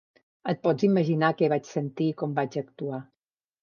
Et pots imaginar què vaig sentir i com vaig actuar.